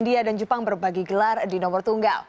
india dan jepang berbagi gelar di nomor tunggal